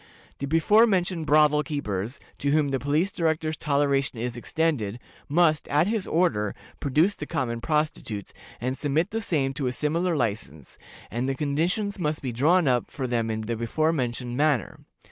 The before mentioned brothel keepers, to whom the Police Director's toleration is extended, must, at his order, produce the common prostitutes, and submit the same to a similar license, and the conditions must be drawn up for them in the before mentioned manner.